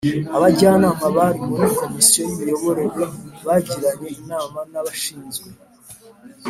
Abajyanama bari muri komisiyo y imiyoborere bagiranye inama n abashinzwe